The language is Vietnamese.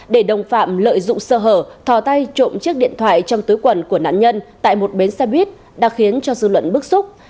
để đồng phạm lợi dụng sơ hở thò tay trộm chiếc điện thoại trong túi quần của nạn nhân tại một bến xe buýt đã khiến cho dư luận bức xúc